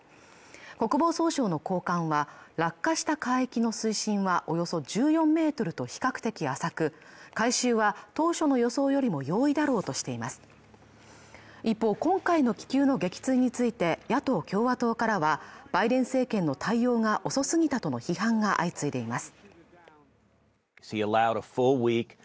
国防総省の高官は落下した海域の水深はおよそ１４ｍと比較的浅く回収は当初の予想よりも容易だろうとしています一方今回の気球の撃墜について野党共和党からはバイデン政権の対応が遅すぎたとの批判が相次いでいます